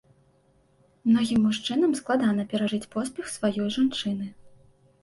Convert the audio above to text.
Многім мужчынам складана перажыць поспех сваёй жанчыны.